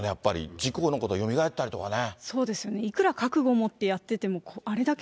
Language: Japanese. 事故のことよみがえったりとかね。